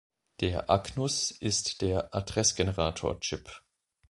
Der Agnus ist der Adressgenerator-Chip.